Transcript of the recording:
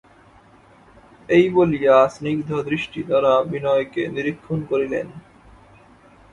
এই বলিয়া স্নিগ্ধদৃষ্টি-দ্বারা বিনয়কে নিরীক্ষণ করিলেন।